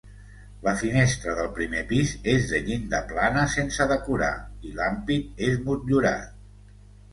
La finestra del primer pis és de llinda plana sense decorar i l'ampit és motllurat.